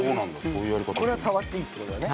これは触っていいって事だね。